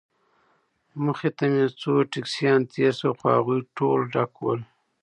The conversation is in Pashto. مخې ته مو څو ټکسیان تېر شول، خو هغوی ټول ډک ول.